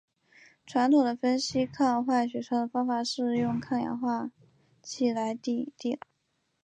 传统的分析抗坏血酸的方法是用氧化剂来滴定。